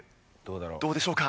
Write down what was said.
どうでしょうか？